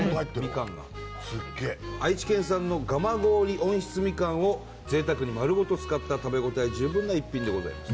みかんがすっげ愛知県産の蒲郡温室みかんを贅沢に丸ごと使った食べごたえ十分な逸品でございます